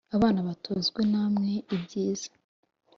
abana batozwe namwe ibyiza